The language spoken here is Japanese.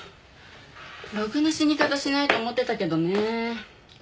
ろくな死に方しないと思ってたけどね。